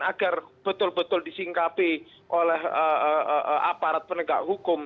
agar betul betul disingkapi oleh aparat penegak hukum